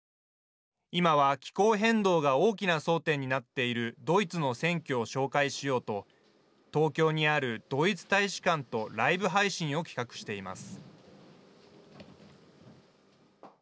いまは、気候変動が大きな争点になっているドイツの選挙を紹介しようと東京にあるドイツ大使館とライブ配信を企画しています。